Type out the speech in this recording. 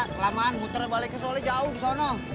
kelamaan muter baliknya soalnya jauh di sana